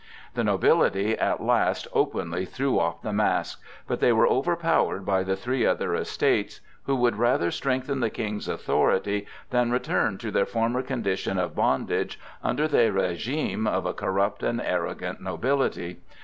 The nobility at last openly threw off the mask; but they were overpowered by the three other estates, who would rather strengthen the King's authority than return to their former condition of bondage under the régime of a corrupt and arrogant nobility.